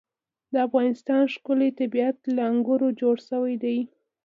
د افغانستان ښکلی طبیعت له انګورو جوړ شوی دی.